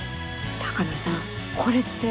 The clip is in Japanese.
鷹野さんこれって。